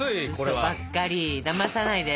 うそばっかりだまさないで。